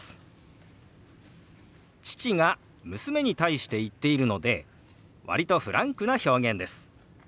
父が娘に対して言っているので割とフランクな表現です。